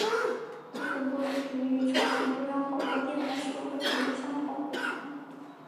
部分播出频率与朝鲜中央广播电台使用的频率相同。